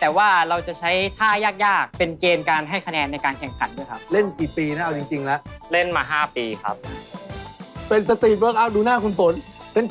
แต่ว่าเราจะใช้ท่ายากเป็นเกณฑ์